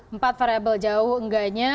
empat variabel jauh enggaknya